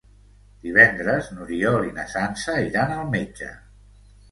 Divendres n'Oriol i na Sança iran al metge.